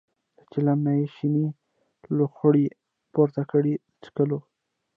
له چلم نه یې شنې لوخړې پورته کړې د څکلو.